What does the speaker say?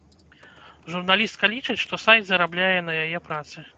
Журналістка лічыць, што сайт зарабляе на яе працы.